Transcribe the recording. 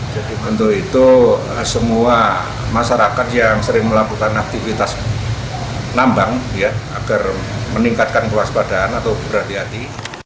jadi bentuk itu semua masyarakat yang sering melakukan aktivitas nambang agar meningkatkan kewaspadaan atau berhati hati